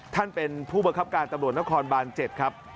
ท่านเป็นผู้บังคับการตำรวจนครบาน๗ครับ